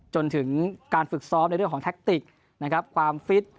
จนถึงการฝึกซ้อมในเรื่องของแท็กติกนะครับความฟิต